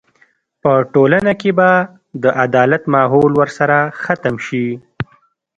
په ټولنه کې به د عدالت ماحول ورسره ختم شي.